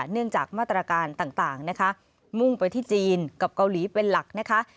เนื่องจากมาตรการต่างนะคะมุ่งไปที่จีนกับเกาหลีเป็นหลักนะคะ